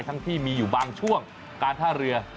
ทั้งที่มีอยู่บางช่วงการท่าเรือ